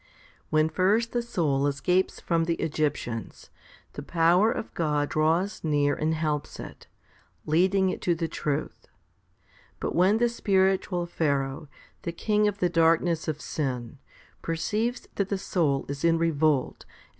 When first the soul escapes from the Egyptians, the power of God draws near and helps it, leading it to the truth. But when the spiritual Pharaoh, the king of the darkness of sin, perceives that the soul is in revolt and 1 Ps. xii.